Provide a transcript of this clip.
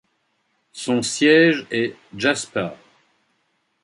Son siège est Jasper.